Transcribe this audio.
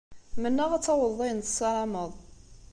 Mennaɣ ad tawḍeḍ ayen tessarameḍ.